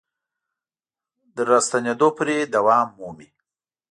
تر راستنېدو پورې دوام مومي.